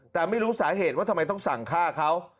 แต่ไม่รู้สาเหตุว่าทำไมต้องสั่งฆ่าเขา